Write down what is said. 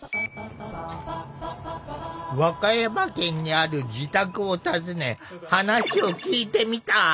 和歌山県にある自宅を訪ね話を聞いてみた。